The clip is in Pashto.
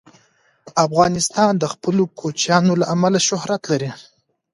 افغانستان د خپلو کوچیانو له امله شهرت لري.